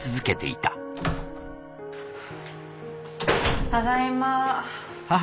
ただいま。